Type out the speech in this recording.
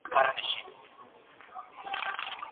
موسیقي یو الهامي هنر دی.